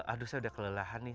aduh saya udah kelelahan nih